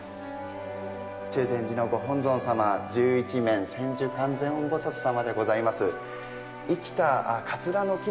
中禅寺の御本尊様、十一面千手観世音菩薩様でございます。